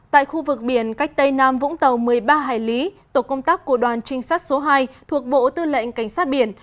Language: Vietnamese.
tại khu vực biển cách tây nam vũng tàu một mươi ba hải lý tổ công tác của đoàn trinh sát số hai thuộc bộ tư lệnh cảnh sát biển